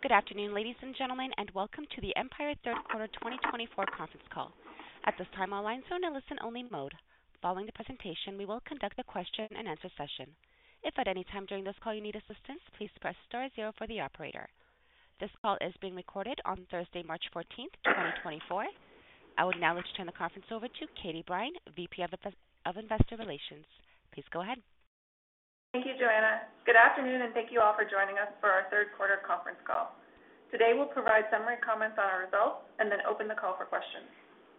Good afternoon, ladies and gentlemen, and welcome to the Empire Third Quarter 2024 Conference Call. At this time, our lines are in a listen-only mode. Following the presentation, we will conduct a question-and-answer session. If at any time during this call you need assistance, please press star zero for the operator. This call is being recorded on Thursday, March 14, 2024. I would now like to turn the conference over to Katie Brine, VP of Investor Relations. Please go ahead. Thank you, Joanna. Good afternoon, and thank you all for joining us for our Third Quarter Conference Call. Today we'll provide summary comments on our results and then open the call for questions.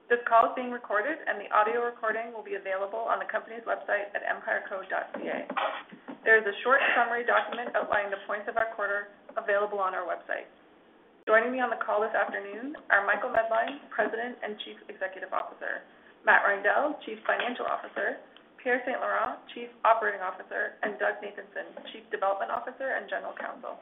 This call is being recorded, and the audio recording will be available on the company's website at empireco.ca. There is a short summary document outlining the points of our quarter available on our website. Joining me on the call this afternoon are Michael Medline, President and Chief Executive Officer, Matt Reindel, Chief Financial Officer, Pierre St-Laurent, Chief Operating Officer, and Doug Nathanson, Chief Development Officer and General Counsel.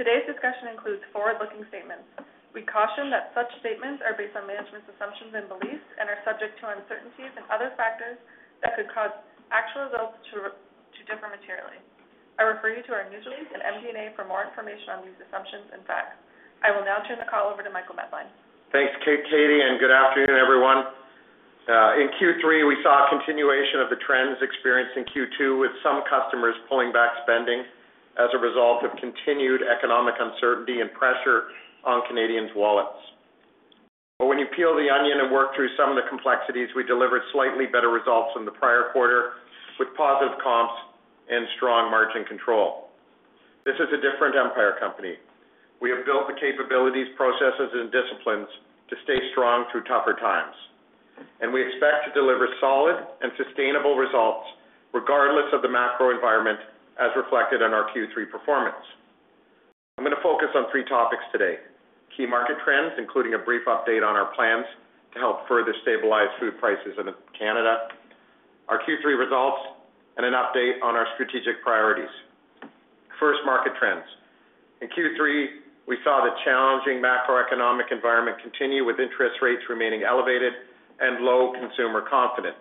Today's discussion includes forward-looking statements. We caution that such statements are based on management's assumptions and beliefs and are subject to uncertainties and other factors that could cause actual results to differ materially. I refer you to our news release and MD&A for more information on these assumptions and facts. I will now turn the call over to Michael Medline. Thanks, Katie, and good afternoon, everyone. In Q3, we saw a continuation of the trends experienced in Q2, with some customers pulling back spending as a result of continued economic uncertainty and pressure on Canadians' wallets. But when you peel the onion and work through some of the complexities, we delivered slightly better results than the prior quarter, with positive comps and strong margin control. This is a different Empire Company. We have built the capabilities, processes, and disciplines to stay strong through tougher times, and we expect to deliver solid and sustainable results regardless of the macro environment as reflected in our Q3 performance. I'm going to focus on three topics today: key market trends, including a brief update on our plans to help further stabilize food prices in Canada; our Q3 results; and an update on our strategic priorities. First, market trends. In Q3, we saw the challenging macroeconomic environment continue, with interest rates remaining elevated and low consumer confidence.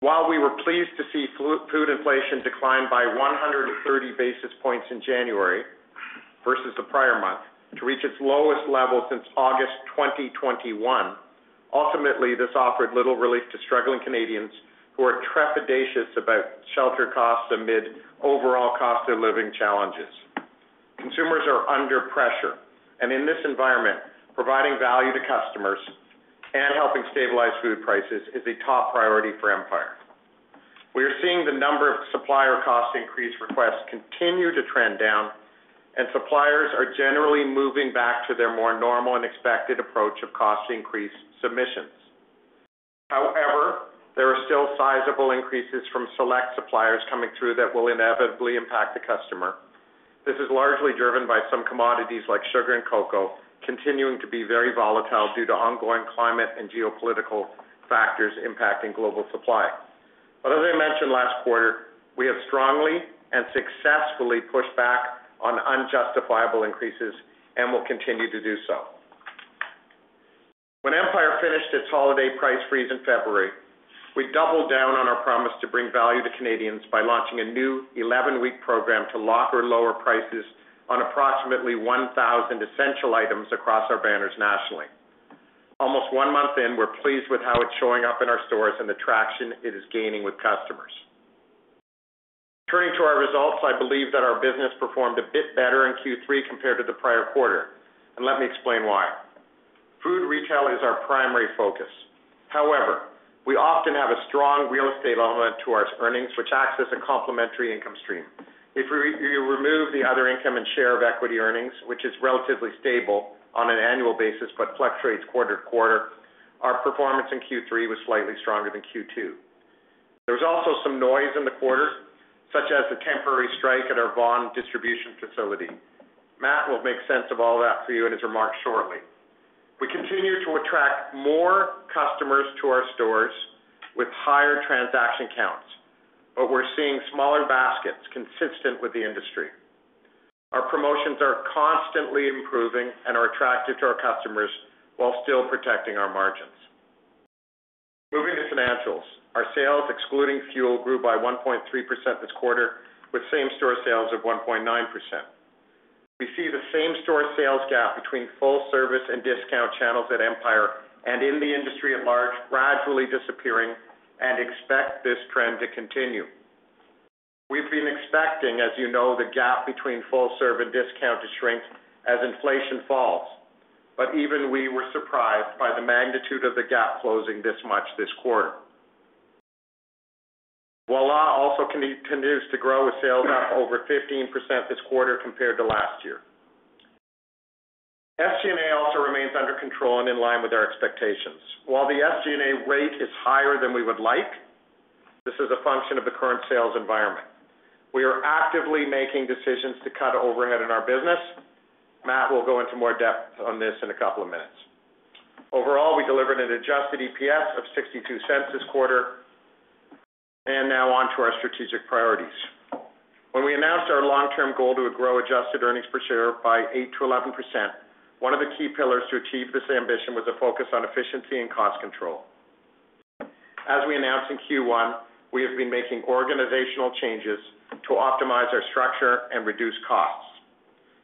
While we were pleased to see food inflation decline by 130 basis points in January versus the prior month to reach its lowest level since August 2021, ultimately this offered little relief to struggling Canadians who are trepidatious about shelter costs amid overall cost of living challenges. Consumers are under pressure, and in this environment, providing value to customers and helping stabilize food prices is a top priority for Empire. We are seeing the number of supplier cost increase requests continue to trend down, and suppliers are generally moving back to their more normal and expected approach of cost increase submissions. However, there are still sizable increases from select suppliers coming through that will inevitably impact the customer. This is largely driven by some commodities like sugar and cocoa continuing to be very volatile due to ongoing climate and geopolitical factors impacting global supply. But as I mentioned last quarter, we have strongly and successfully pushed back on unjustifiable increases and will continue to do so. When Empire finished its holiday price freeze in February, we doubled down on our promise to bring value to Canadians by launching a new 11-week program to lock or lower prices on approximately 1,000 essential items across our banners nationally. Almost one month in, we're pleased with how it's showing up in our stores and the traction it is gaining with customers. Turning to our results, I believe that our business performed a bit better in Q3 compared to the prior quarter, and let me explain why. Food retail is our primary focus. However, we often have a strong real estate element to our earnings, which acts as a complementary income stream. If you remove the other income and share of equity earnings, which is relatively stable on an annual basis but fluctuates quarter to quarter, our performance in Q3 was slightly stronger than Q2. There was also some noise in the quarter, such as the temporary strike at our Vaughan distribution facility. Matt will make sense of all that for you in his remarks shortly. We continue to attract more customers to our stores with higher transaction counts, but we're seeing smaller baskets consistent with the industry. Our promotions are constantly improving and are attractive to our customers while still protecting our margins. Moving to financials, our sales, excluding fuel, grew by 1.3% this quarter, with same-store sales of 1.9%. We see the same-store sales gap between full-service and discount channels at Empire and in the industry at large gradually disappearing, and expect this trend to continue. We've been expecting, as you know, the gap between full-serve and discount to shrink as inflation falls, but even we were surprised by the magnitude of the gap closing this much this quarter. Voilà also continues to grow, with sales up over 15% this quarter compared to last year. SG&A also remains under control and in line with our expectations. While the SG&A rate is higher than we would like, this is a function of the current sales environment. We are actively making decisions to cut overhead in our business. Matt will go into more depth on this in a couple of minutes. Overall, we delivered an adjusted EPS of 0.62 this quarter, and now on to our strategic priorities. When we announced our long-term goal to grow Adjusted Earnings Per Share by 8%-11%, one of the key pillars to achieve this ambition was a focus on efficiency and cost control. As we announced in Q1, we have been making organizational changes to optimize our structure and reduce costs.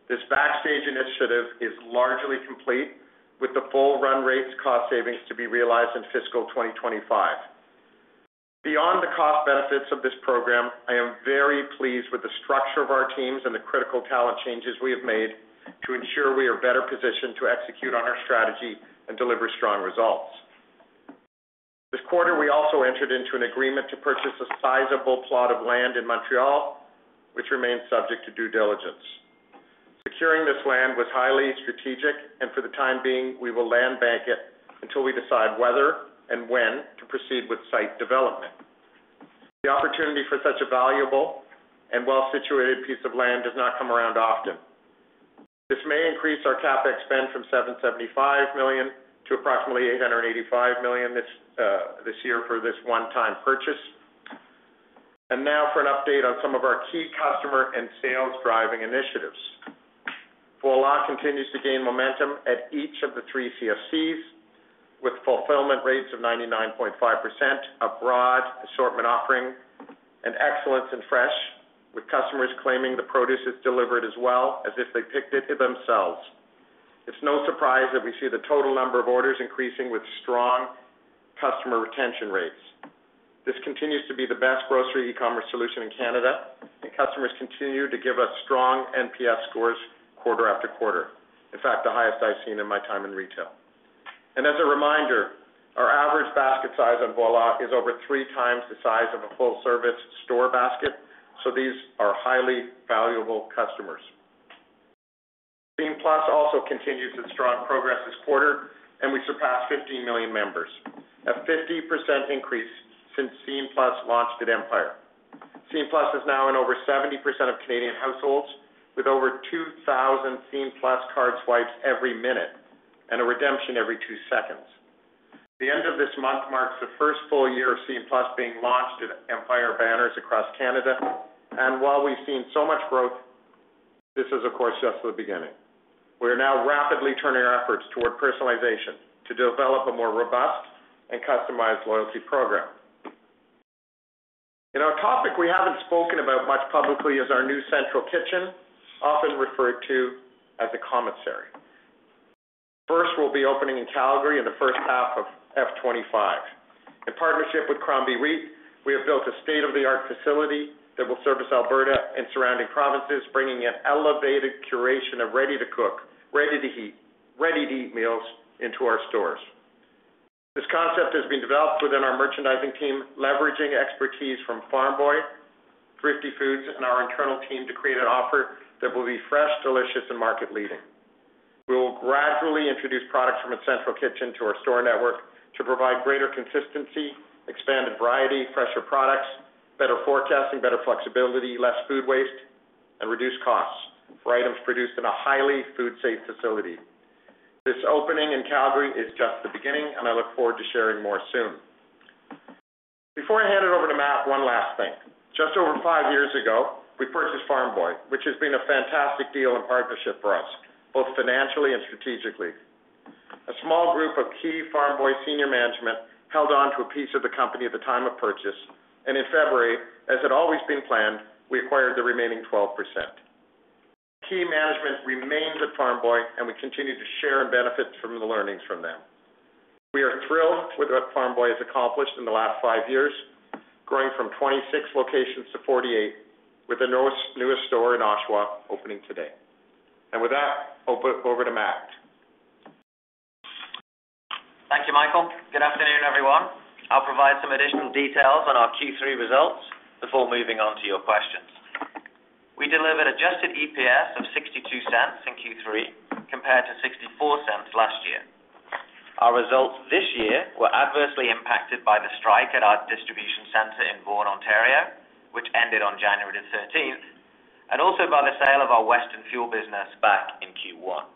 This backstage initiative is largely complete, with the full run rates cost savings to be realized in fiscal 2025. Beyond the cost benefits of this program, I am very pleased with the structure of our teams and the critical talent changes we have made to ensure we are better positioned to execute on our strategy and deliver strong results. This quarter, we also entered into an agreement to purchase a sizable plot of land in Montreal, which remains subject to due diligence. Securing this land was highly strategic, and for the time being, we will land bank it until we decide whether and when to proceed with site development. The opportunity for such a valuable and well-situated piece of land does not come around often. This may increase our CapEx spend from 775 million to approximately 885 million this year for this one-time purchase. Now for an update on some of our key customer and sales driving initiatives. Voilà continues to gain momentum at each of the three CFCs, with fulfillment rates of 99.5%, a broad assortment offering, and excellence in fresh, with customers claiming the produce is delivered as well as if they picked it themselves. It's no surprise that we see the total number of orders increasing with strong customer retention rates. This continues to be the best grocery e-commerce solution in Canada, and customers continue to give us strong NPS scores quarter after quarter. In fact, the highest I've seen in my time in retail. As a reminder, our average basket size on Voilà is over three times the size of a full-service store basket, so these are highly valuable customers. Scene+ also continues its strong progress this quarter, and we surpassed 15 million members, a 50% increase since Scene+ launched at Empire. Scene+ is now in over 70% of Canadian households, with over 2,000 Scene+ card swipes every minute and a redemption every two seconds. The end of this month marks the first full year of Scene+ being launched at Empire banners across Canada, and while we've seen so much growth, this is, of course, just the beginning. We are now rapidly turning our efforts toward personalization to develop a more robust and customized loyalty program. In our topic, we haven't spoken about much publicly is our new central kitchen, often referred to as a commissary. First, we'll be opening in Calgary in the first half of F 2025. In partnership with Crombie REIT, we have built a state-of-the-art facility that will service Alberta and surrounding provinces, bringing an elevated curation of ready-to-cook, ready-to-heat, ready-to-eat meals into our stores. This concept has been developed within our merchandising team, leveraging expertise from Farm Boy, Thrifty Foods, and our internal team to create an offer that will be fresh, delicious, and market-leading. We will gradually introduce products from a central kitchen to our store network to provide greater consistency, expanded variety, fresher products, better forecasting, better flexibility, less food waste, and reduced costs for items produced in a highly food-safe facility. This opening in Calgary is just the beginning, and I look forward to sharing more soon. Before I hand it over to Matt, one last thing. Just over five years ago, we purchased Farm Boy, which has been a fantastic deal and partnership for us, both financially and strategically. A small group of key Farm Boy senior management held on to a piece of the company at the time of purchase, and in February, as had always been planned, we acquired the remaining 12%. Key management remains at Farm Boy, and we continue to share and benefit from the learnings from them. We are thrilled with what Farm Boy has accomplished in the last five years, growing from 26 locations to 48, with the newest store in Oshawa opening today. With that, over to Matt. Thank you, Michael. Good afternoon, everyone. I'll provide some additional details on our Q3 results before moving on to your questions. We delivered adjusted EPS of 0.62 in Q3 compared to 0.64 last year. Our results this year were adversely impacted by the strike at our distribution center in Vaughan, Ontario, which ended on January the 13th, and also by the sale of our Western fuel business back in Q1.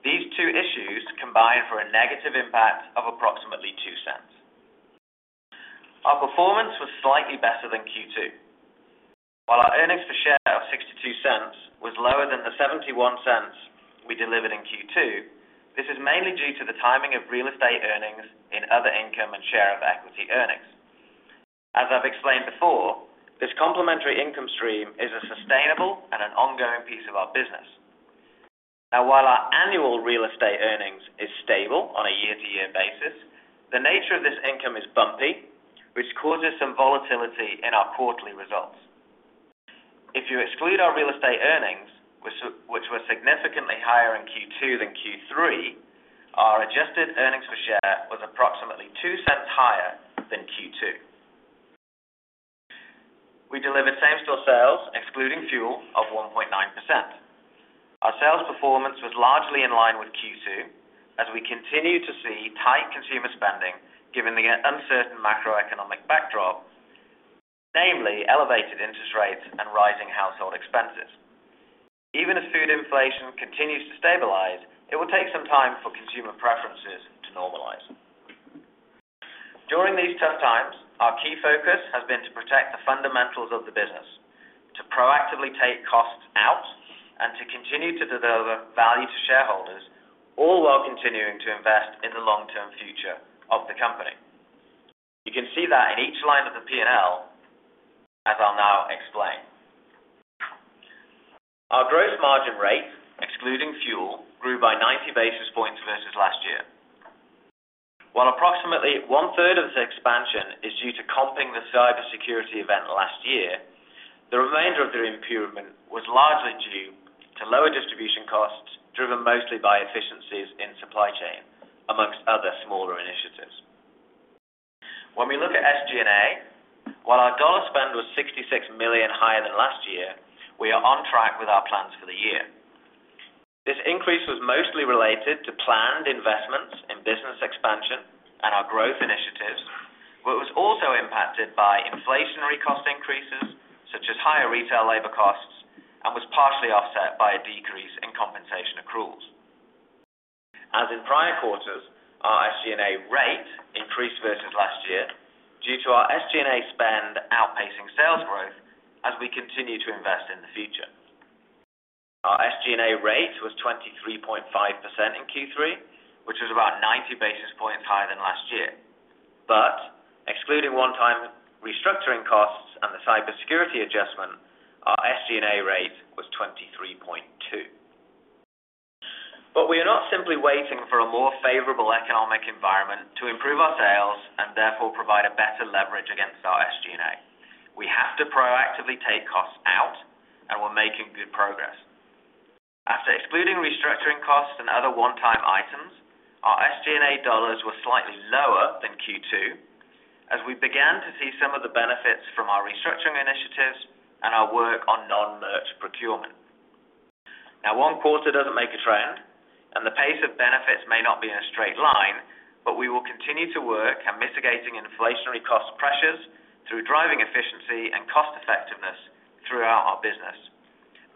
These two issues combined for a negative impact of approximately 0.02. Our performance was slightly better than Q2. While our earnings per share of 0.62 was lower than the 0.71 we delivered in Q2, this is mainly due to the timing of real estate earnings in other income and share of equity earnings. As I've explained before, this complementary income stream is a sustainable and an ongoing piece of our business. Now, while our annual real estate earnings is stable on a year-to-year basis, the nature of this income is bumpy, which causes some volatility in our quarterly results. If you exclude our real estate earnings, which were significantly higher in Q2 than Q3, our adjusted earnings per share was approximately 0.02 higher than Q2. We delivered same-store sales, excluding fuel, of 1.9%. Our sales performance was largely in line with Q2, as we continue to see tight consumer spending given the uncertain macroeconomic backdrop, namely elevated interest rates and rising household expenses. Even as food inflation continues to stabilize, it will take some time for consumer preferences to normalize. During these tough times, our key focus has been to protect the fundamentals of the business, to proactively take costs out, and to continue to deliver value to shareholders, all while continuing to invest in the long-term future of the company. You can see that in each line of the P&L, as I'll now explain. Our gross margin rate, excluding fuel, grew by 90 basis points versus last year. While approximately 1/3 of the expansion is due to comping the cybersecurity event last year, the remainder of the improvement was largely due to lower distribution costs driven mostly by efficiencies in supply chain, among other smaller initiatives. When we look at SG&A, while our dollar spend was 66 million higher than last year, we are on track with our plans for the year. This increase was mostly related to planned investments in business expansion and our growth initiatives, but it was also impacted by inflationary cost increases such as higher retail labor costs and was partially offset by a decrease in compensation accruals. As in prior quarters, our SG&A rate increased versus last year due to our SG&A spend outpacing sales growth as we continue to invest in the future. Our SG&A rate was 23.5% in Q3, which was about 90 basis points higher than last year. But excluding one-time restructuring costs and the cybersecurity adjustment, our SG&A rate was 23.2%. But we are not simply waiting for a more favorable economic environment to improve our sales and therefore provide a better leverage against our SG&A. We have to proactively take costs out, and we're making good progress. After excluding restructuring costs and other one-time items, our SG&A dollars were slightly lower than Q2 as we began to see some of the benefits from our restructuring initiatives and our work on non-merch procurement. Now, one quarter doesn't make a trend, and the pace of benefits may not be in a straight line, but we will continue to work on mitigating inflationary cost pressures through driving efficiency and cost-effectiveness throughout our business,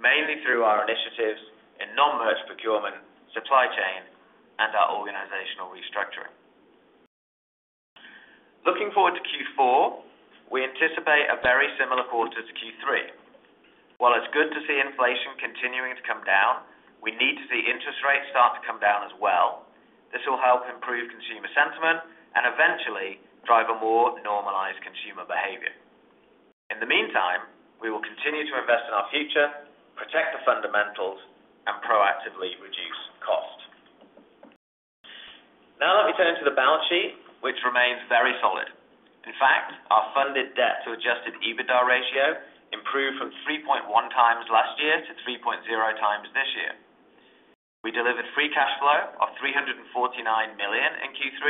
mainly through our initiatives in non-merch procurement, supply chain, and our organizational restructuring. Looking forward to Q4, we anticipate a very similar quarter to Q3. While it's good to see inflation continuing to come down, we need to see interest rates start to come down as well. This will help improve consumer sentiment and eventually drive a more normalized consumer behavior. In the meantime, we will continue to invest in our future, protect the fundamentals, and proactively reduce costs. Now let me turn to the balance sheet, which remains very solid. In fact, our funded debt to adjusted EBITDA ratio improved from 3.1 times last year to 3.0 times this year. We delivered free cash flow of 349 million in Q3,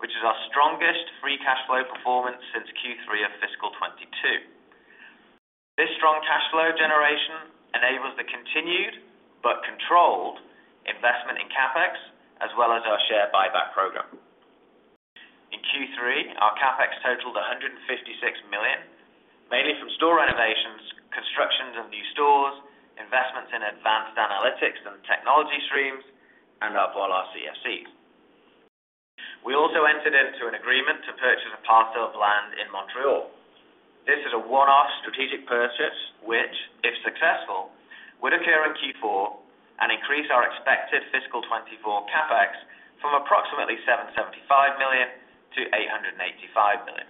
which is our strongest free cash flow performance since Q3 of fiscal 2022. This strong cash flow generation enables the continued but controlled investment in CapEx as well as our share buyback program. In Q3, our CapEx totaled 156 million, mainly from store renovations, constructions, and new stores, investments in advanced analytics and technology streams, and our Voilà CFCs. We also entered into an agreement to purchase a parcel of land in Montreal. This is a one-off strategic purchase which, if successful, would occur in Q4 and increase our expected fiscal 2024 CapEx from approximately 775 million to 885 million.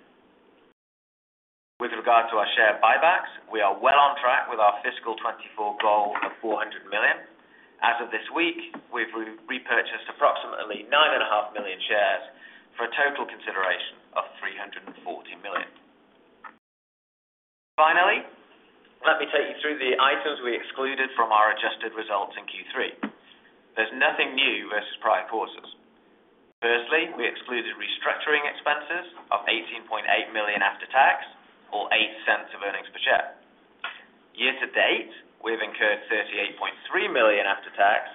With regard to our share buybacks, we are well on track with our fiscal 2024 goal of 400 million. As of this week, we've repurchased approximately 9.5 million shares for a total consideration of 340 million. Finally, let me take you through the items we excluded from our adjusted results in Q3. There's nothing new versus prior quarters. Firstly, we excluded restructuring expenses of 18.8 million after tax, or 8 cents of earnings per share. Year to date, we've incurred 38.3 million after tax,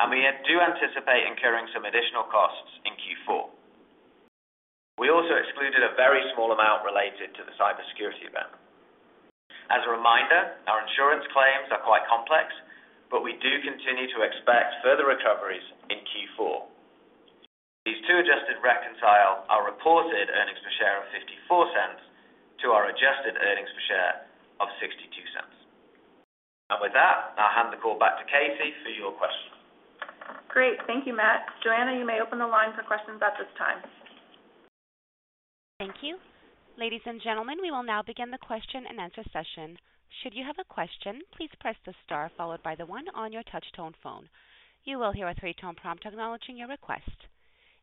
and we do anticipate incurring some additional costs in Q4. We also excluded a very small amount related to the cybersecurity event. As a reminder, our insurance claims are quite complex, but we do continue to expect further recoveries in Q4. These two adjustments reconcile our reported earnings per share of 0.54 to our adjusted earnings per share of 0.62. With that, I'll hand the call back to Katie for your questions. Great. Thank you, Matt. Joanna, you may open the line for questions at this time. Thank you. Ladies and gentlemen, we will now begin the question and answer session. Should you have a question, please press the star followed by the one on your touch-tone phone. You will hear a three-tone prompt acknowledging your request.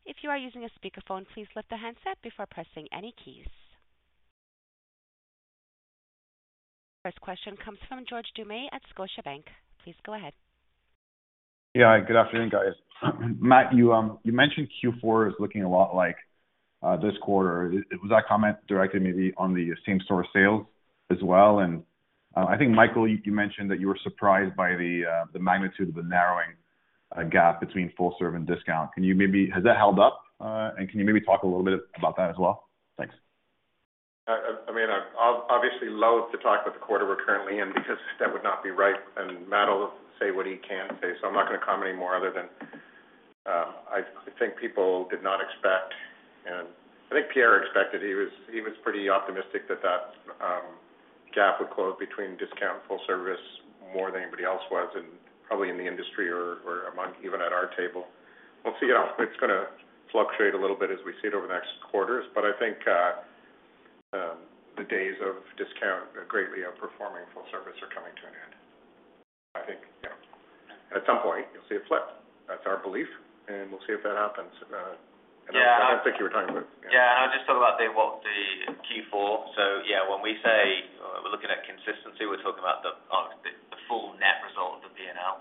If you are using a speakerphone, please lift the handset before pressing any keys. First question comes from George Doumet at Scotiabank. Please go ahead. Yeah, good afternoon, guys. Matt, you mentioned Q4 is looking a lot like this quarter. Was that comment directed maybe on the same-store sales as well? And I think, Michael, you mentioned that you were surprised by the magnitude of the narrowing gap between full-serve and discount. Has that held up? And can you maybe talk a little bit about that as well? Thanks. I mean, I'm obviously loathe to talk about the quarter we're currently in because that would not be right. Matt'll say what he can say, so I'm not going to comment any more other than I think people did not expect and I think Pierre expected. He was pretty optimistic that that gap would close between discount and full-service more than anybody else was, probably in the industry or even at our table. We'll see. It's going to fluctuate a little bit as we see it over the next quarters, but I think the days of discount greatly outperforming full-service are coming to an end, I think. At some point, you'll see it flip. That's our belief, and we'll see if that happens. I don't think you were talking about. Yeah. I was just talking about the Q4. Yeah, when we say we're looking at consistency, we're talking about the full net result of the P&L.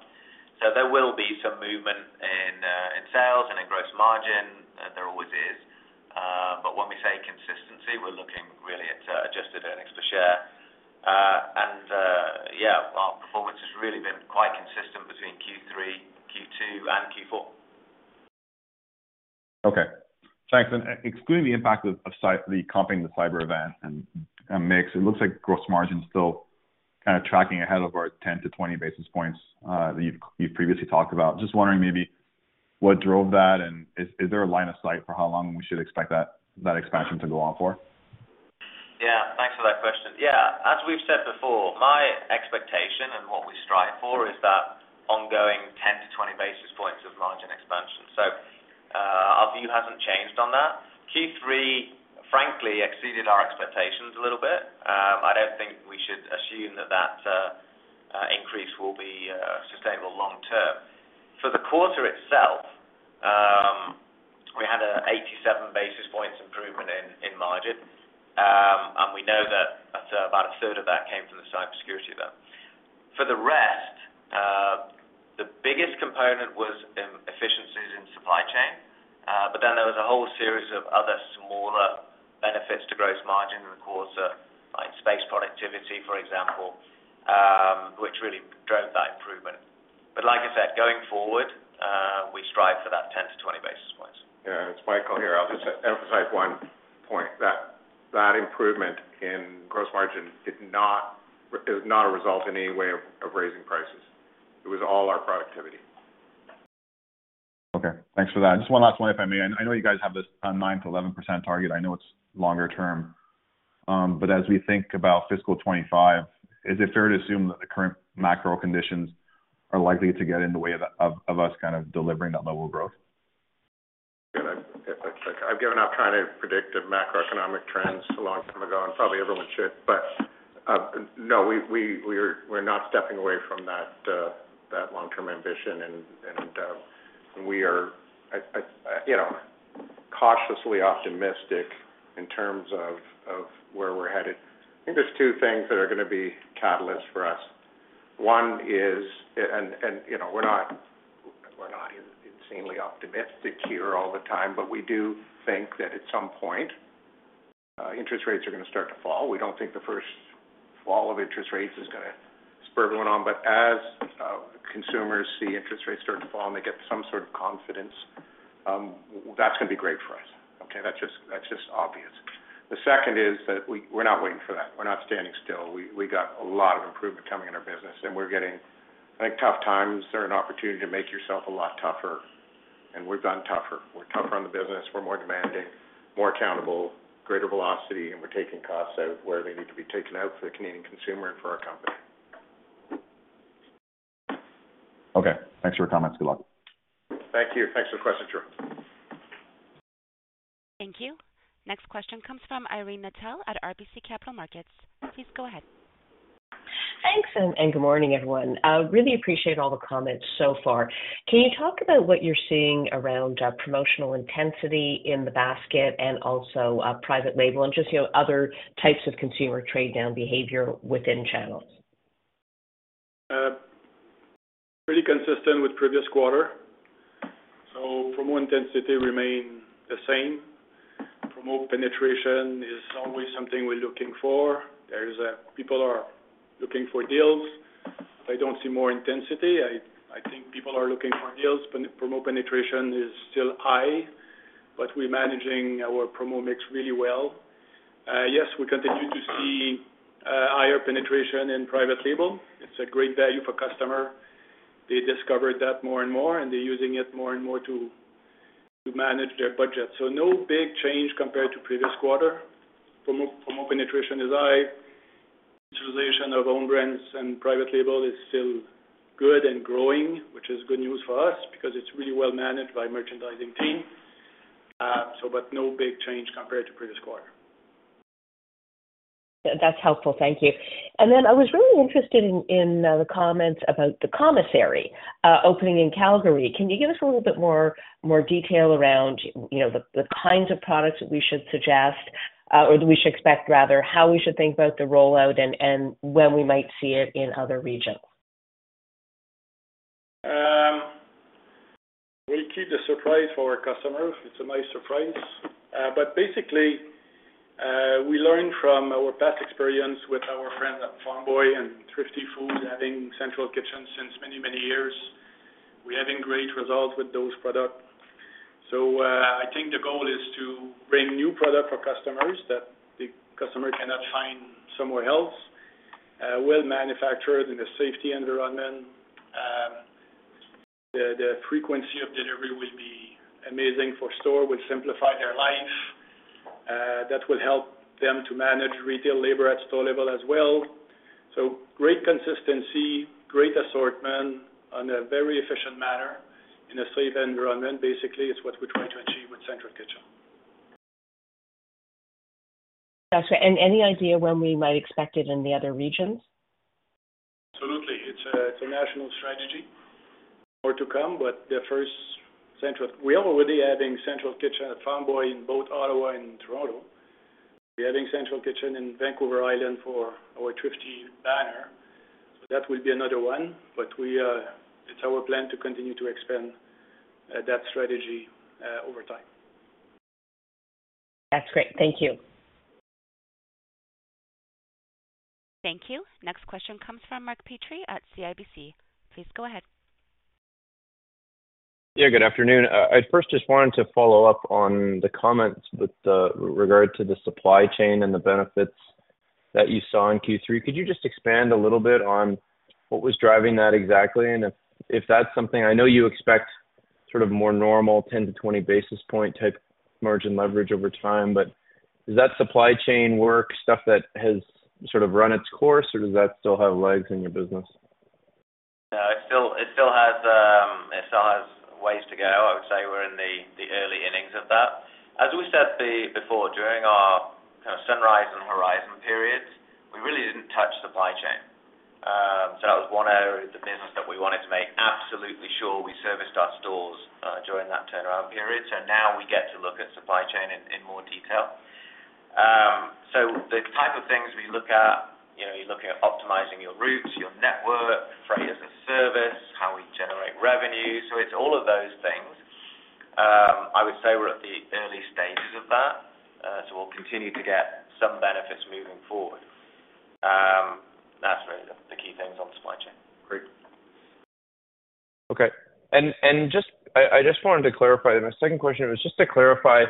There will be some movement in sales and in gross margin. There always is. When we say consistency, we're looking really at adjusted earnings per share. Yeah, our performance has really been quite consistent between Q3, Q2, and Q4. Okay. Thanks. Excluding the impact of the comping, the cyber event, and mix, it looks like gross margin's still kind of tracking ahead of our 10-20 basis points that you've previously talked about. Just wondering maybe what drove that, and is there a line of sight for how long we should expect that expansion to go on for? Yeah. Thanks for that question. Yeah. As we've said before, my expectation and what we strive for is that ongoing 10-20 basis points of margin expansion. So our view hasn't changed on that. Q3, frankly, exceeded our expectations a little bit. I don't think we should assume that that increase will be sustainable long-term. For the quarter itself, we had an 87 basis points improvement in margin, and we know that about a third of that came from the cybersecurity event. For the rest, the biggest component was efficiencies in supply chain, but then there was a whole series of other smaller benefits to gross margin in the quarter, like space productivity, for example, which really drove that improvement. But like I said, going forward, we strive for that 10-20 basis points. Yeah. It's Michael here. I'll just emphasize one point. That improvement in gross margin is not a result in any way of raising prices. It was all our productivity. Okay. Thanks for that. Just one last one, if I may. I know you guys have this 9%-11% target. I know it's longer term. But as we think about fiscal 2025, is it fair to assume that the current macro conditions are likely to get in the way of us kind of delivering that level of growth? Yeah. I've given up trying to predict macroeconomic trends a long time ago, and probably everyone should. But no, we're not stepping away from that long-term ambition, and we are cautiously optimistic in terms of where we're headed. I think there's two things that are going to be catalysts for us. One is, and we're not insanely optimistic here all the time, but we do think that at some point, interest rates are going to start to fall. We don't think the first fall of interest rates is going to spur everyone on. But as consumers see interest rates start to fall and they get some sort of confidence, that's going to be great for us. Okay? That's just obvious. The second is that we're not waiting for that. We're not standing still. We got a lot of improvement coming in our business, and we're getting, I think, tough times. They're an opportunity to make yourself a lot tougher, and we've gotten tougher. We're tougher on the business. We're more demanding, more accountable, greater velocity, and we're taking costs out where they need to be taken out for the Canadian consumer and for our company. Okay. Thanks for your comments. Good luck. Thank you. Thanks for the question, George. Thank you. Next question comes from Irene Nattel at RBC Capital Markets. Please go ahead. Thanks, and good morning, everyone. Really appreciate all the comments so far. Can you talk about what you're seeing around promotional intensity in the basket and also private label and just other types of consumer trade-down behavior within channels? Pretty consistent with previous quarter. Promo intensity remains the same. Promo penetration is always something we're looking for. People are looking for deals. I don't see more intensity. I think people are looking for deals. Promo penetration is still high, but we're managing our promo mix really well. Yes, we continue to see higher penetration in private label. It's a great value for customer. They discovered that more and more, and they're using it more and more to manage their budget. No big change compared to previous quarter. Promo penetration is high. Utilization of own brands and private label is still good and growing, which is good news for us because it's really well managed by the merchandising team. No big change compared to previous quarter. That's helpful. Thank you. And then I was really interested in the comments about the commissary opening in Calgary. Can you give us a little bit more detail around the kinds of products that we should suggest or that we should expect, rather, how we should think about the rollout and when we might see it in other regions? We'll keep the surprise for our customers. It's a nice surprise. But basically, we learned from our past experience with our friends at Farm Boy and Thrifty Foods having central kitchens since many, many years. We're having great results with those products. So I think the goal is to bring new products for customers that the customer cannot find somewhere else, well manufactured in a safe environment. The frequency of delivery will be amazing for store. It will simplify their life. That will help them to manage retail labor at store level as well. So great consistency, great assortment in a very efficient manner in a safe environment. Basically, it's what we're trying to achieve with central kitchen. That's right. And any idea when we might expect it in the other regions? Absolutely. It's a national strategy. More to come, but the first central we're already having central kitchen at Farm Boy in both Ottawa and Toronto. We're having central kitchen in Vancouver Island for our Thrifty banner. So that will be another one, but it's our plan to continue to expand that strategy over time. That's great. Thank you. Thank you. Next question comes from Mark Petrie at CIBC. Please go ahead. Yeah. Good afternoon. I first just wanted to follow up on the comments with regard to the supply chain and the benefits that you saw in Q3. Could you just expand a little bit on what was driving that exactly and if that's something I know you expect sort of more normal 10-20 basis point type margin leverage over time, but does that supply chain work, stuff that has sort of run its course, or does that still have legs in your business? Yeah. It still has ways to go. I would say we're in the early innings of that. As we said before, during our kind of sunrise and horizon periods, we really didn't touch supply chain. That was one area of the business that we wanted to make absolutely sure we serviced our stores during that turnaround period. Now we get to look at supply chain in more detail. The type of things we look at, you're looking at optimizing your routes, your network, freight as a service, how we generate revenue. It's all of those things. I would say we're at the early stages of that, so we'll continue to get some benefits moving forward. That's really the key things on supply chain. Great. Okay. I just wanted to clarify then. My second question was just to clarify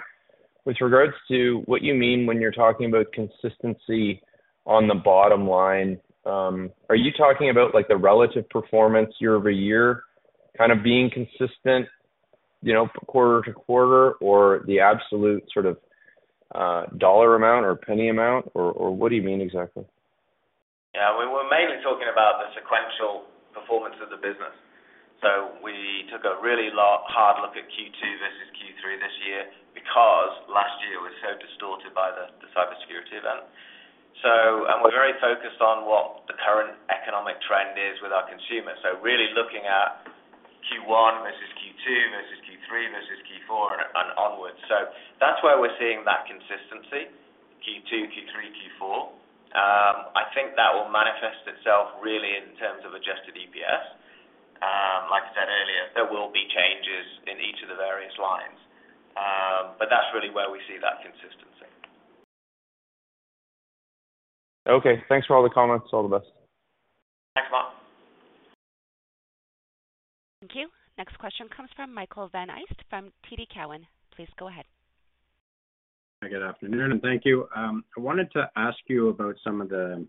with regards to what you mean when you're talking about consistency on the bottom line. Are you talking about the relative performance year over year kind of being consistent quarter to quarter or the absolute sort of dollar amount or penny amount, or what do you mean exactly? Yeah. We were mainly talking about the sequential performance of the business. So we took a really hard look at Q2 versus Q3 this year because last year was so distorted by the cybersecurity event. And we're very focused on what the current economic trend is with our consumers, so really looking at Q1 versus Q2 versus Q3 versus Q4 and onwards. So that's where we're seeing that consistency, Q2, Q3, Q4. I think that will manifest itself really in terms of Adjusted EPS. Like I said earlier, there will be changes in each of the various lines, but that's really where we see that consistency. Okay. Thanks for all the comments. All the best. Thanks, Mark. Thank you. Next question comes from Michael Van Aelst from TD Cowen. Please go ahead. Yeah. Good afternoon, and thank you. I wanted to ask you about some of the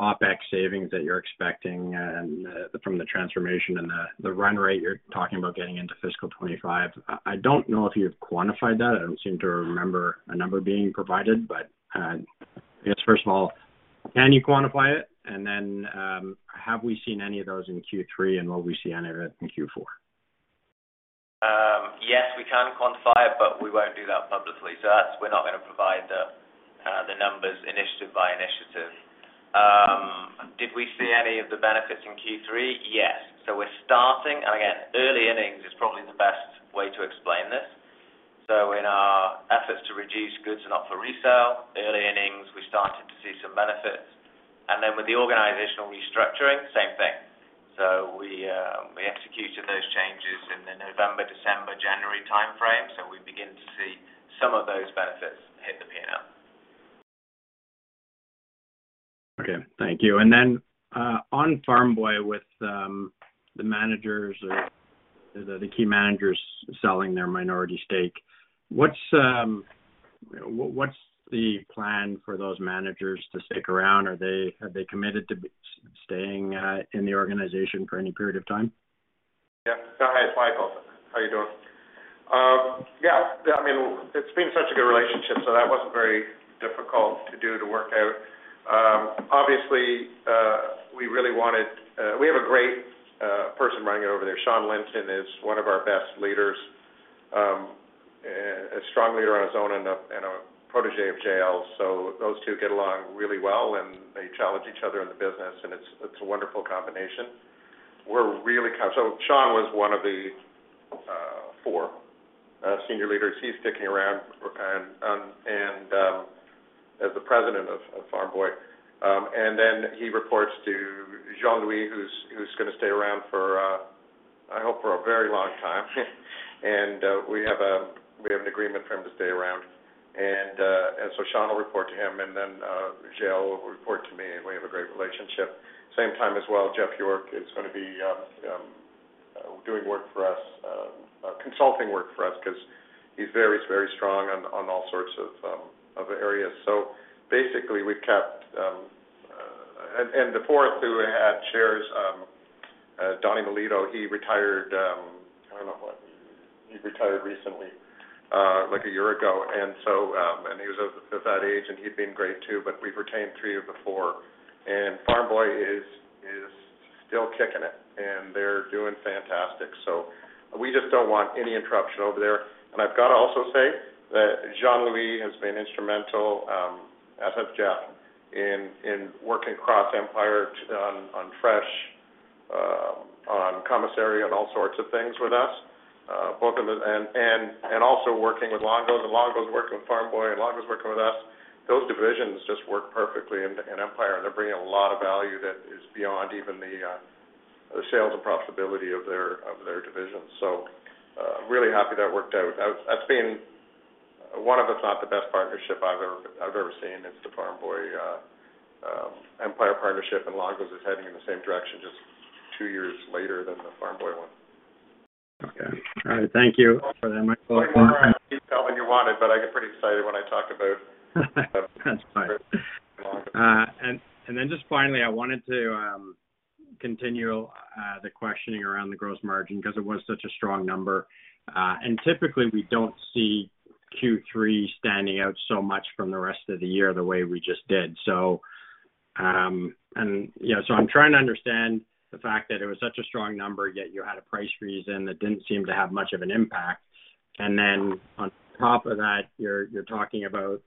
OpEx savings that you're expecting from the transformation and the run rate you're talking about getting into fiscal 2025. I don't know if you've quantified that. I don't seem to remember a number being provided, but I guess, first of all, can you quantify it? And then have we seen any of those in Q3, and will we see any of it in Q4? Yes, we can quantify it, but we won't do that publicly. So we're not going to provide the numbers initiative by initiative. Did we see any of the benefits in Q3? Yes. So we're starting and again, early innings is probably the best way to explain this. So in our efforts to reduce goods not for resale, early innings, we started to see some benefits. And then with the organizational restructuring, same thing. So we executed those changes in the November, December, January timeframe, so we begin to see some of those benefits hit the P&L. Okay. Thank you. And then on Farm Boy, with the managers or the key managers selling their minority stake, what's the plan for those managers to stick around? Have they committed to staying in the organization for any period of time? Yeah. Hi. It's Michael. How are you doing? Yeah. I mean, it's been such a good relationship, so that wasn't very difficult to do, to work out. Obviously, we really wanted. We have a great person running it over there. Shawn Linton is one of our best leaders, a strong leader on his own and a protégé of JL. So those two get along really well, and they challenge each other in the business, and it's a wonderful combination. So Shawn was one of the four senior leaders. He's sticking around as the president of Farm Boy. And then he reports to Jean-Louis, who's going to stay around for, I hope, for a very long time. And we have an agreement for him to stay around. And so Shawn will report to him, and then JL will report to me, and we have a great relationship. Same time as well, Jeff York is going to be doing work for us, consulting work for us because he's very, very strong on all sorts of areas. So basically, we've kept and the fourth who had shares, Donny Milito, he retired I don't know what. He retired recently, like a year ago. And he was of that age, and he'd been great too, but we've retained three of the four. And Farm Boy is still kicking it, and they're doing fantastic. So we just don't want any interruption over there. And I've got to also say that Jean-Louis has been instrumental, as has Jeff, in working cross-Empire on fresh, on commissary, on all sorts of things with us, both in the and also working with Longo’s. Longo’s working with Farm Boy, and Longo’s working with us, those divisions just work perfectly in Empire, and they’re bringing a lot of value that is beyond even the sales and profitability of their divisions. So really happy that worked out. That’s been one of, if not the best, partnerships I’ve ever seen. It’s the Farm Boy Empire partnership, and Longo’s is heading in the same direction just two years later than the Farm Boy one. Okay. All right. Thank you for that, Michael. Keep telling me you wanted, but I get pretty excited when I talk about. That's fine. Then just finally, I wanted to continue the questioning around the gross margin because it was such a strong number. Typically, we don't see Q3 standing out so much from the rest of the year the way we just did. So I'm trying to understand the fact that it was such a strong number, yet you had a price freeze in that didn't seem to have much of an impact. Then on top of that, you're talking about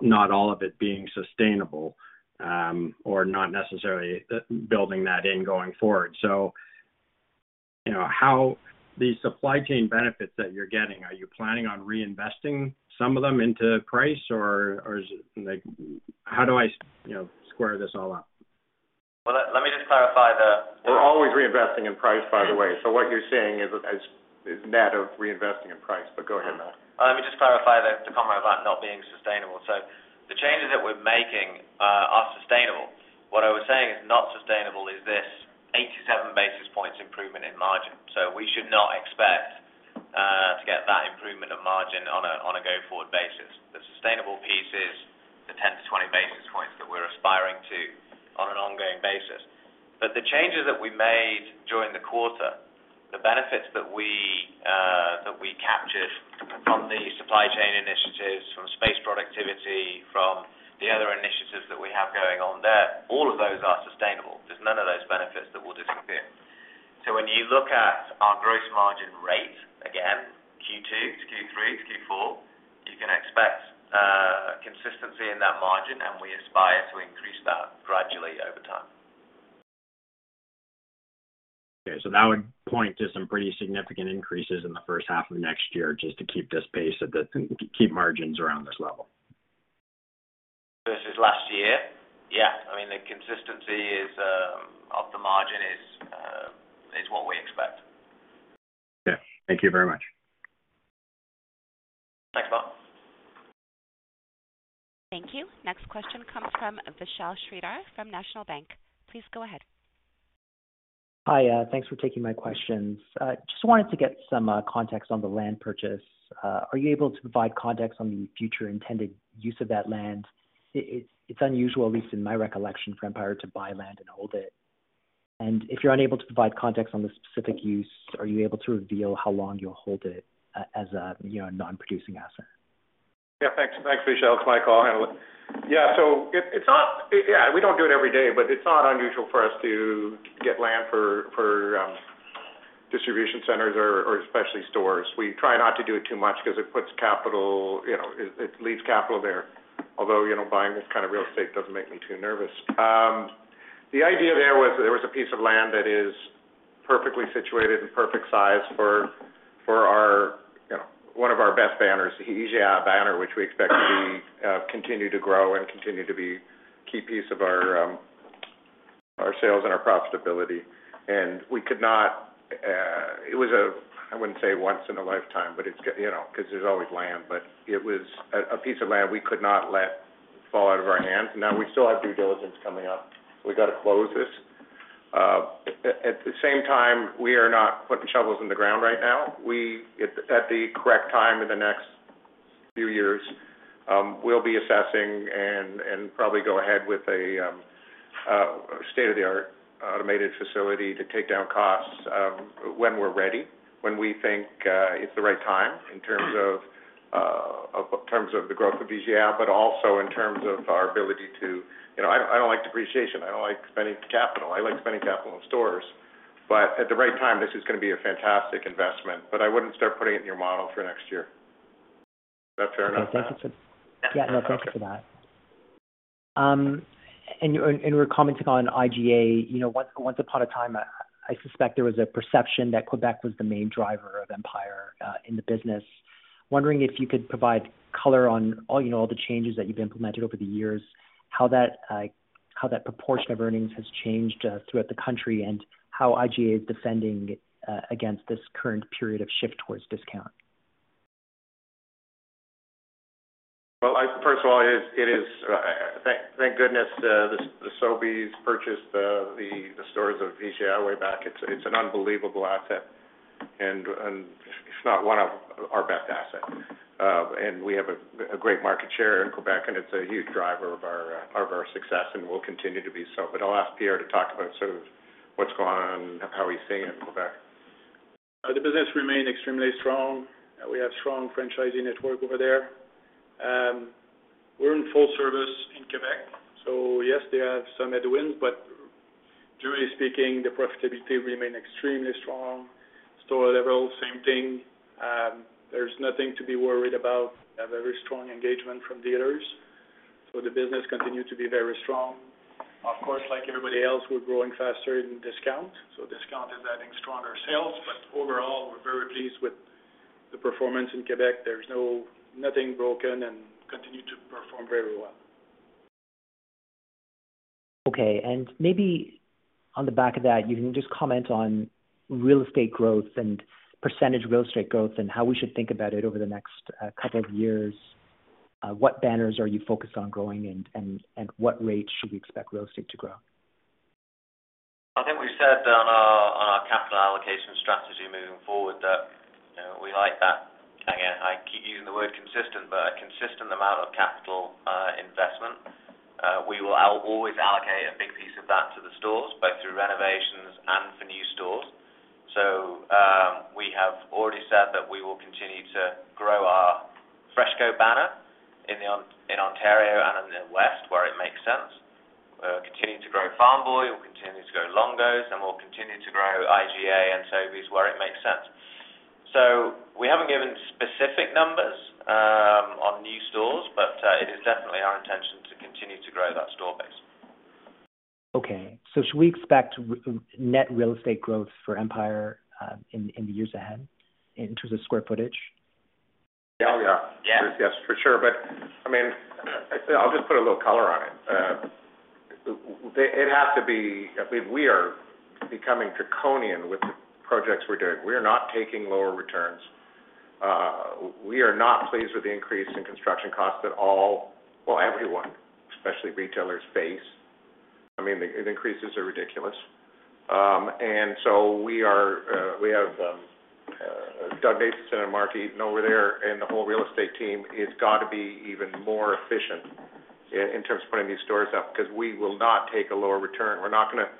not all of it being sustainable or not necessarily building that in going forward. These supply chain benefits that you're getting, are you planning on reinvesting some of them into price, or how do I square this all up? Well, let me just clarify the. We're always reinvesting in price, by the way. What you're seeing is net of reinvesting in price, but go ahead, Matt. Let me just clarify the comment about not being sustainable. So the changes that we're making are sustainable. What I was saying is not sustainable is this 87 basis points improvement in margin. So we should not expect to get that improvement of margin on a go-forward basis. The sustainable piece is the 10-20 basis points that we're aspiring to on an ongoing basis. But the changes that we made during the quarter, the benefits that we captured from the supply chain initiatives, from space productivity, from the other initiatives that we have going on there, all of those are sustainable. There's none of those benefits that will disappear. So when you look at our gross margin rate, again, Q2 to Q3 to Q4, you can expect consistency in that margin, and we aspire to increase that gradually over time. Okay. So that would point to some pretty significant increases in the first half of next year just to keep this pace and keep margins around this level. Versus last year? Yeah. I mean, the consistency of the margin is what we expect. Okay. Thank you very much. Thanks, Mark. Thank you. Next question comes from Vishal Shreedhar from National Bank. Please go ahead. Hi. Thanks for taking my questions. Just wanted to get some context on the land purchase. Are you able to provide context on the future intended use of that land? It's unusual, at least in my recollection, for Empire to buy land and hold it. If you're unable to provide context on the specific use, are you able to reveal how long you'll hold it as a non-producing asset? Yeah. Thanks, Vishal. It's my call handle. Yeah. So yeah, we don't do it every day, but it's not unusual for us to get land for distribution centers or especially stores. We try not to do it too much because it puts capital it leads capital there, although buying this kind of real estate doesn't make me too nervous. The idea there was there was a piece of land that is perfectly situated and perfect size for one of our best banners, the IGA banner, which we expect to continue to grow and continue to be a key piece of our sales and our profitability. And we could not it was a I wouldn't say once in a lifetime, but it's because there's always land, but it was a piece of land we could not let fall out of our hands. And now we still have due diligence coming up, so we got to close this. At the same time, we are not putting shovels in the ground right now. At the correct time in the next few years, we'll be assessing and probably go ahead with a state-of-the-art automated facility to take down costs when we're ready, when we think it's the right time in terms of the growth of IGA, but also in terms of our ability to—I don't like depreciation. I don't like spending capital. I like spending capital in stores. But at the right time, this is going to be a fantastic investment, but I wouldn't start putting it in your model for next year. Is that fair enough, Matt? Yeah. Thank you for that. And we were commenting on IGA. Once upon a time, I suspect there was a perception that Quebec was the main driver of Empire in the business. Wondering if you could provide color on all the changes that you've implemented over the years, how that proportion of earnings has changed throughout the country, and how IGA is defending against this current period of shift towards discount? Well, first of all, it is thank goodness the Sobeys purchased the stores of IGA way back. It's an unbelievable asset, and if not one of our best assets. We have a great market share in Quebec, and it's a huge driver of our success, and will continue to be so. I'll ask Pierre to talk about sort of what's going on, how he's seeing it in Quebec. The business remained extremely strong. We have strong franchising network over there. We're in full service in Quebec, so yes, they have some headwinds, but generally speaking, the profitability remained extremely strong. Store level, same thing. There's nothing to be worried about. We have a very strong engagement from dealers, so the business continued to be very strong. Of course, like everybody else, we're growing faster in discount, so discount is adding stronger sales. But overall, we're very pleased with the performance in Quebec. There's nothing broken and continue to perform very well. Okay. Maybe on the back of that, you can just comment on real estate growth and percentage real estate growth and how we should think about it over the next couple of years. What banners are you focused on growing, and what rate should we expect real estate to grow? I think we've said on our capital allocation strategy moving forward that we like that. Again, I keep using the word consistent, but a consistent amount of capital investment. We will always allocate a big piece of that to the stores, both through renovations and for new stores. So we have already said that we will continue to grow our FreshCo banner in Ontario and in the west where it makes sense. We'll continue to grow Farm Boy. We'll continue to grow Longo’s, and we'll continue to grow IGA and Sobeys where it makes sense. So we haven't given specific numbers on new stores, but it is definitely our intention to continue to grow that store base. Okay. So should we expect net real estate growth for Empire in the years ahead in terms of square footage? Yeah. Oh, yeah. Yes. For sure. But I mean, I'll just put a little color on it. It has to be, I mean, we are becoming draconian with the projects we're doing. We are not taking lower returns. We are not pleased with the increase in construction costs that all, well, everyone, especially retailers, face. I mean, the increases are ridiculous. And so we have Doug Nathanson and Mark Aitken over there, and the whole real estate team has got to be even more efficient in terms of putting these stores up because we will not take a lower return. We're not going to.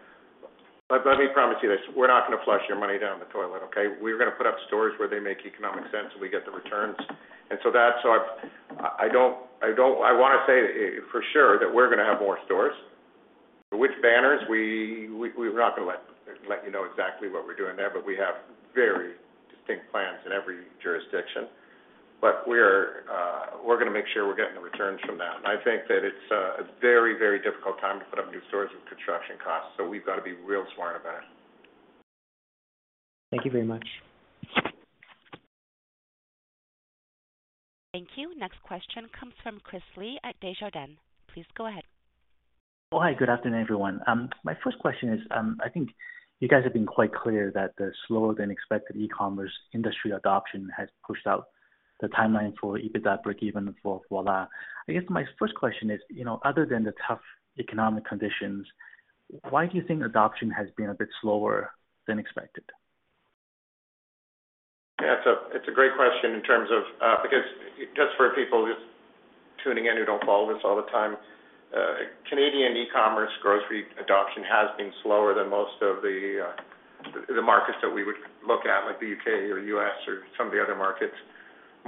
Let me promise you this. We're not going to flush your money down the toilet, okay? We're going to put up stores where they make economic sense, and we get the returns. And so I want to say for sure that we're going to have more stores. Which banners? We're not going to let you know exactly what we're doing there, but we have very distinct plans in every jurisdiction. But we're going to make sure we're getting the returns from that. And I think that it's a very, very difficult time to put up new stores with construction costs, so we've got to be real smart about it. Thank you very much. Thank you. Next question comes from Chris Li at Desjardins. Please go ahead. Oh, hi. Good afternoon, everyone. My first question is, I think you guys have been quite clear that the slower-than-expected e-commerce industry adoption has pushed out the timeline for EBITDA breakeven for Voilà. I guess my first question is, other than the tough economic conditions, why do you think adoption has been a bit slower than expected? Yeah. It's a great question in terms of because just for people just tuning in who don't follow this all the time, Canadian e-commerce grocery adoption has been slower than most of the markets that we would look at, like the U.K. or U.S. or some of the other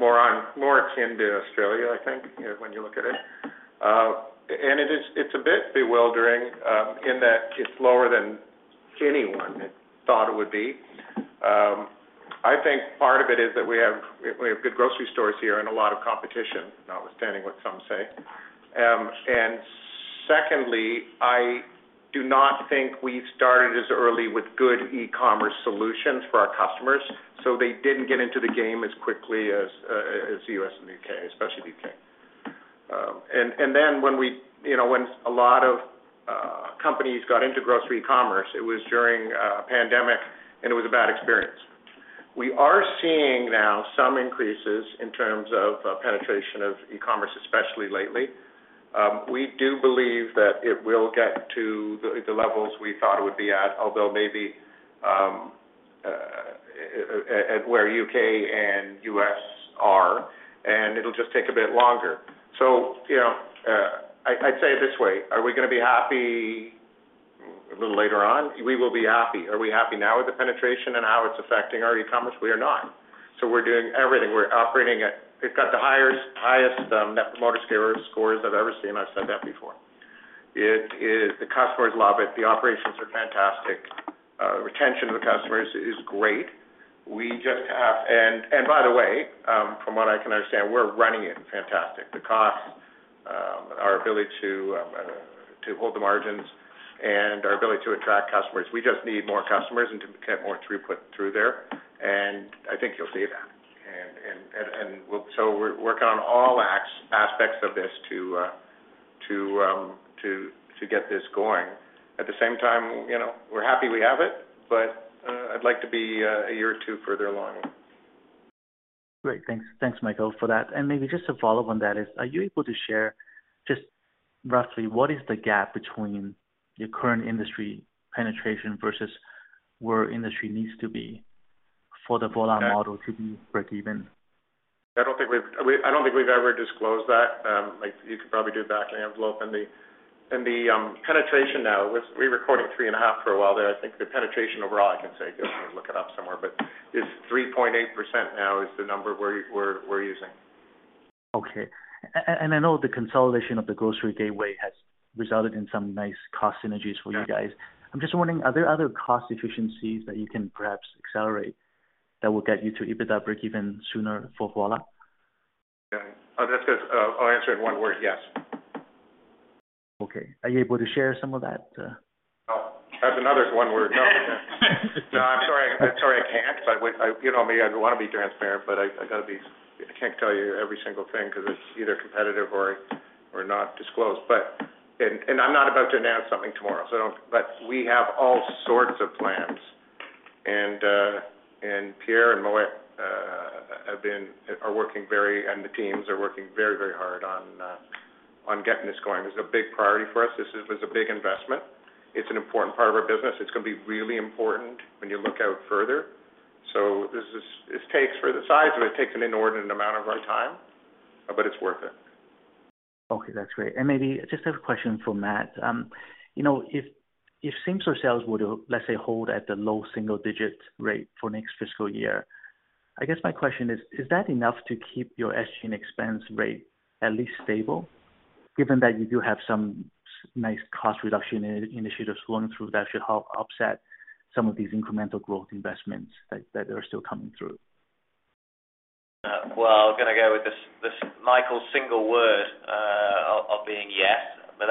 markets. More akin to Australia, I think, when you look at it. And it's a bit bewildering in that it's lower than anyone thought it would be. I think part of it is that we have good grocery stores here and a lot of competition, notwithstanding what some say. And secondly, I do not think we started as early with good e-commerce solutions for our customers, so they didn't get into the game as quickly as the U.S. and the U.K., especially the U.K. And then when a lot of companies got into grocery e-commerce, it was during a pandemic, and it was a bad experience. We are seeing now some increases in terms of penetration of e-commerce, especially lately. We do believe that it will get to the levels we thought it would be at, although maybe at where U.K. and U.S. are, and it'll just take a bit longer. So I'd say it this way: are we going to be happy a little later on? We will be happy. Are we happy now with the penetration and how it's affecting our e-commerce? We are not. So we're doing everything. We're operating at it's got the highest Net Promoter Scores I've ever seen. I've said that before. The customers love it. The operations are fantastic. Retention of the customers is great. We just have, and by the way, from what I can understand, we're running it fantastic. The costs, our ability to hold the margins, and our ability to attract customers. We just need more customers and to get more throughput through there, and I think you'll see that. And so we're working on all aspects of this to get this going. At the same time, we're happy we have it, but I'd like to be a year or two further along. Great. Thanks, Michael, for that. And maybe just a follow-up on that is, are you able to share just roughly what is the gap between your current industry penetration versus where industry needs to be for the Voilà model to be breakeven? I don't think we've ever disclosed that. You could probably do a back-of-the-envelope. The penetration now, we were quoting 3.5 for a while there. I think the penetration overall, I can say. Go ahead and look it up somewhere, but it's 3.8% now is the number we're using. Okay. And I know the consolidation of the Grocery Gateway has resulted in some nice cost synergies for you guys. I'm just wondering, are there other cost efficiencies that you can perhaps accelerate that will get you to EBITDA breakeven sooner for Voilà? Yeah. Oh, that's good. I'll answer in one word. Yes. Okay. Are you able to share some of that? No. That's another one word. No. No. I'm sorry. I'm sorry I can't, but you know me. I want to be transparent, but I got to be I can't tell you every single thing because it's either competitive or not disclosed. And I'm not about to announce something tomorrow, but we have all sorts of plans. And Pierre and Michael are working very and the teams are working very, very hard on getting this going. This is a big priority for us. This was a big investment. It's an important part of our business. It's going to be really important when you look out further. So this takes for the size of it, takes an inordinate amount of our time, but it's worth it. Okay. That's great. And maybe just a question for Matt. If same-store sales would, let's say, hold at the low single-digit rate for next fiscal year, I guess my question is, is that enough to keep your SG&A expense rate at least stable, given that you do have some nice cost reduction initiatives going through that should help offset some of these incremental growth investments that are still coming through? Well, I'm going to go with this Michael's single word of being yes, but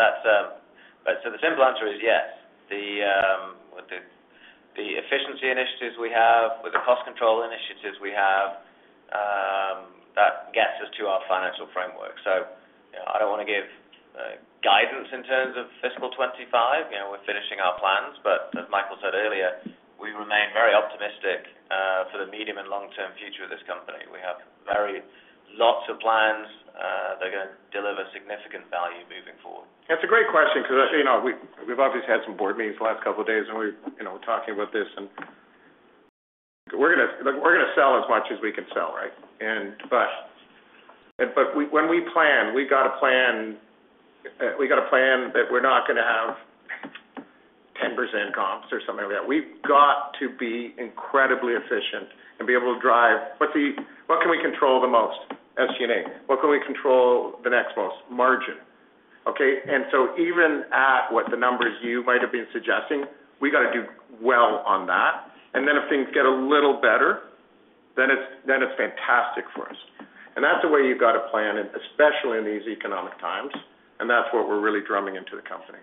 so the simple answer is yes. The efficiency initiatives we have, with the cost control initiatives we have, that gets us to our financial framework. So I don't want to give guidance in terms of fiscal 2025. We're finishing our plans, but as Michael said earlier, we remain very optimistic for the medium and long-term future of this company. We have lots of plans. They're going to deliver significant value moving forward. That's a great question because we've obviously had some board meetings the last couple of days, and we're talking about this. And we're going to sell as much as we can sell, right? But when we plan, we got to plan we got to plan that we're not going to have 10% comps or something like that. We've got to be incredibly efficient and be able to drive what can we control the most, SG&A? What can we control the next most, margin? Okay? And so even at what the numbers you might have been suggesting, we got to do well on that. And then if things get a little better, then it's fantastic for us. And that's the way you got to plan, especially in these economic times, and that's what we're really drumming into the company.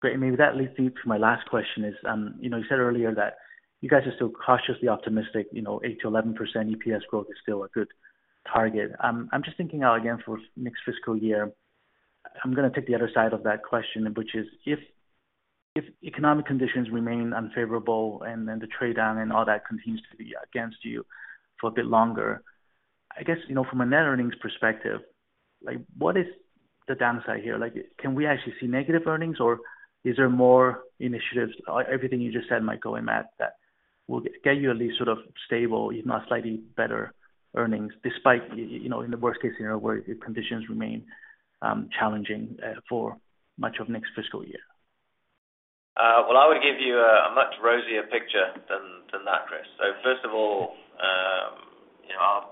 Great. And maybe that leads me to my last question is, you said earlier that you guys are still cautiously optimistic. 8%-11% EPS growth is still a good target. I'm just thinking out again for next fiscal year. I'm going to take the other side of that question, which is if economic conditions remain unfavorable and the trade down and all that continues to be against you for a bit longer, I guess from a net earnings perspective, what is the downside here? Can we actually see negative earnings, or is there more initiatives? Everything you just said, Michael, and Matt, that will get you at least sort of stable, if not slightly better, earnings despite in the worst-case scenario where conditions remain challenging for much of next fiscal year. Well, I would give you a much rosier picture than that, Chris. So first of all, our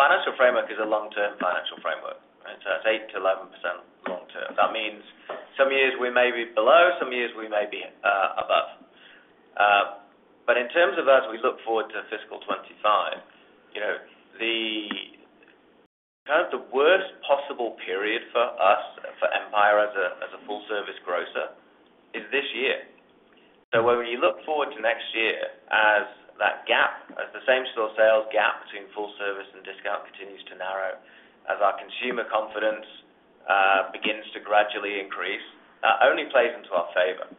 financial framework is a long-term financial framework, right? So that's 8%-11% long-term. That means some years we may be below, some years we may be above. But in terms of as we look forward to fiscal 2025, kind of the worst possible period for us, for Empire as a full-service grocer, is this year. So when you look forward to next year as that gap, as the same store sales gap between full-service and discount continues to narrow, as our consumer confidence begins to gradually increase, that only plays into our favor.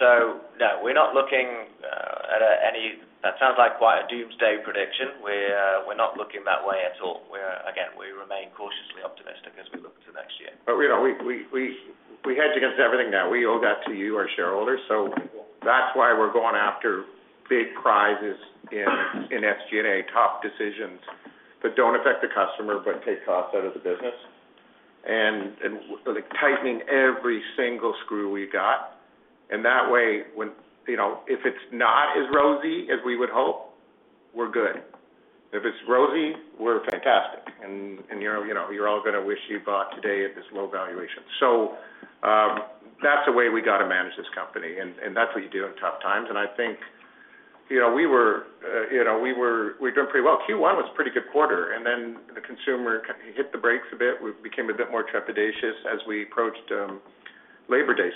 So no, we're not looking at any that sounds like quite a doomsday prediction. We're not looking that way at all. Again, we remain cautiously optimistic as we look to next year. But we've hedged against everything now. We owe it to you, our shareholders. So that's why we're going after big savings in SG&A, tough decisions that don't affect the customer but take costs out of the business and tightening every single screw we've got. And that way, if it's not as rosy as we would hope, we're good. If it's rosy, we're fantastic. And you're all going to wish you bought today at this low valuation. So that's the way we got to manage this company, and that's what you do in tough times. And I think we're doing pretty well. Q1 was a pretty good quarter, and then the consumer hit the brakes a bit. We became a bit more trepidatious as we approached Labor Day.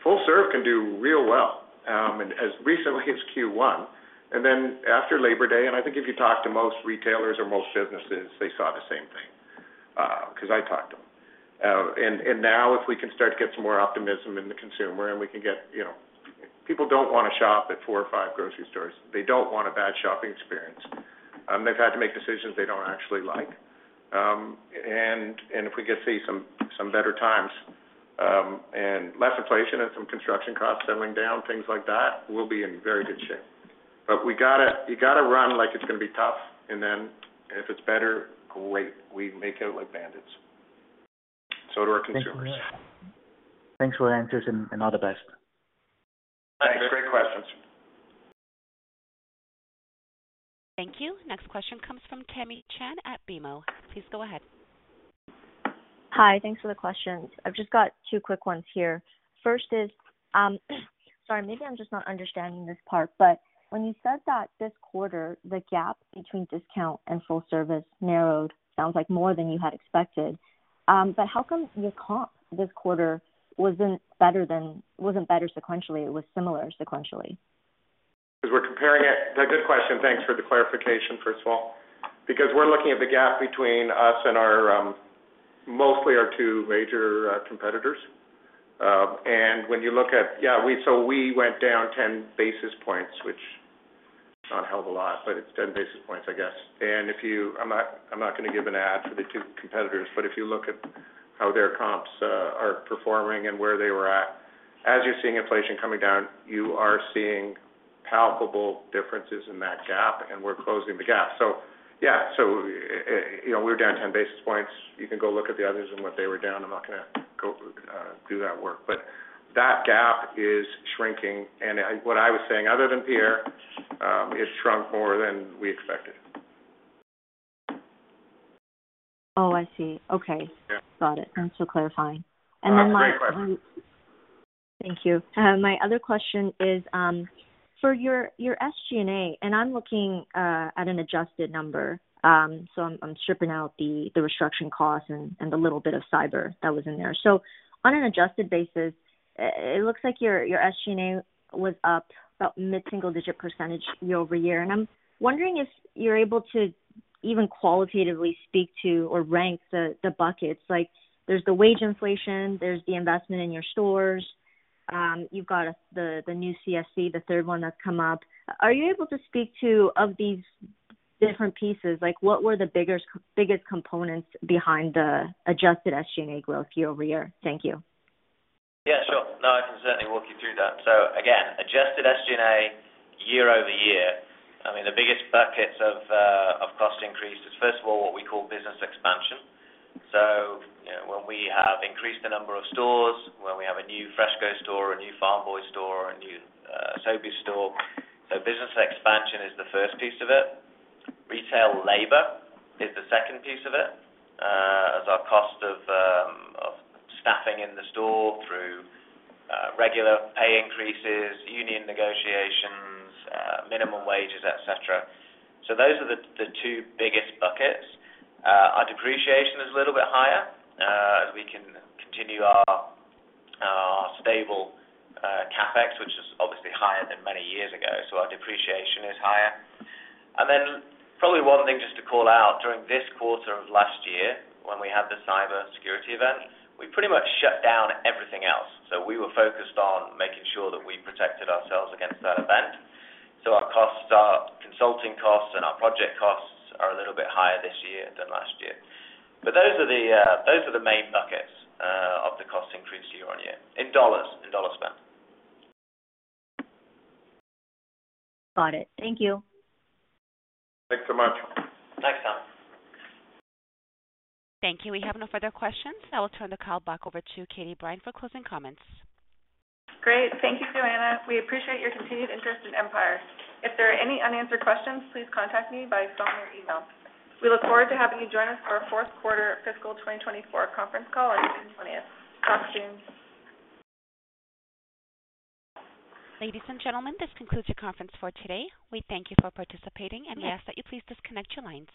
So full-serve can do real well as recently as Q1. Then, after Labor Day, I think if you talk to most retailers or most businesses, they saw the same thing because I talked to them. Now, if we can start to get some more optimism in the consumer and we can get people don't want to shop at four or five grocery stores. They don't want a bad shopping experience. They've had to make decisions they don't actually like. If we get to see some better times and less inflation and some construction costs settling down, things like that, we'll be in very good shape. But you got to run like it's going to be tough, and then if it's better, great. We make it out like bandits, so do our consumers. Thanks for the answers and all the best. Thanks. Great questions. Thank you. Next question comes from Tamy Chen at BMO. Please go ahead. Hi. Thanks for the questions. I've just got two quick ones here. First is, sorry, maybe I'm just not understanding this part, but when you said that this quarter, the gap between discount and full-service narrowed, [it] sounds like more than you had expected. But how come your comp this quarter wasn't better sequentially? It was similar sequentially. Because we're comparing it. That's a good question. Thanks for the clarification, first of all, because we're looking at the gap between us and mostly our two major competitors. And when you look at, yeah, so we went down 10 basis points, which is not a hell of a lot, but it's 10 basis points, I guess. And I'm not going to give an ad for the two competitors, but if you look at how their comps are performing and where they were at, as you're seeing inflation coming down, you are seeing palpable differences in that gap, and we're closing the gap. So yeah, so we were down 10 basis points. You can go look at the others and what they were down. I'm not going to do that work, but that gap is shrinking. And what I was saying, other than Pierre, it shrunk more than we expected. Oh, I see. Okay. Got it. Thanks for clarifying. And then my. Oh, great question. Thank you. My other question is for your SG&A, and I'm looking at an adjusted number, so I'm stripping out the restructuring costs and the little bit of cyber that was in there. So on an adjusted basis, it looks like your SG&A was up about mid-single-digit % year-over-year. And I'm wondering if you're able to even qualitatively speak to or rank the buckets. There's the wage inflation. There's the investment in your stores. You've got the new CFC, the third one that's come up. Are you able to speak to of these different pieces what were the biggest components behind the adjusted SG&A growth year-over-year? Thank you. Yeah, sure. No, I can certainly walk you through that. So again, adjusted SG&A year-over-year, I mean, the biggest buckets of cost increase is, first of all, what we call business expansion. So when we have increased the number of stores, when we have a new FreshCo store, a new Farm Boy store, a new Sobeys store, so business expansion is the first piece of it. Retail labor is the second piece of it as our cost of staffing in the store through regular pay increases, union negotiations, minimum wages, etc. So those are the two biggest buckets. Our depreciation is a little bit higher as we can continue our stable CapEx, which is obviously higher than many years ago. So our depreciation is higher. Then probably one thing just to call out, during this quarter of last year when we had the cybersecurity event, we pretty much shut down everything else. So we were focused on making sure that we protected ourselves against that event. So our consulting costs and our project costs are a little bit higher this year than last year. But those are the main buckets of the cost increase year-over-year in dollars, in dollar spend. Got it. Thank you. Thanks so much. Thanks, Tamy. Thank you. We have no further questions. I will turn the call back over to Katie Brine for closing comments. Great. Thank you, Joanna. We appreciate your continued interest in Empire. If there are any unanswered questions, please contact me by phone or email. We look forward to having you join us for our fourth quarter fiscal 2024 conference call on June 20th. Talk soon. Ladies and gentlemen, this concludes our conference for today. We thank you for participating, and we ask that you please disconnect your lines.